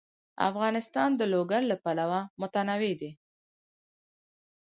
افغانستان د لوگر له پلوه متنوع دی.